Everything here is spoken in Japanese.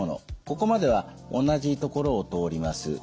ここまでは同じところを通ります。